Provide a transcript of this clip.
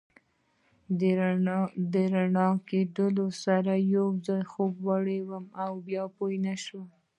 له رڼا کېدو سره یو ځل بیا خوب وړی وم او پوه نه شوم.